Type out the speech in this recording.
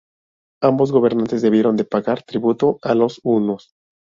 Ambos gobernantes debieron de pagar tributo a los hunos.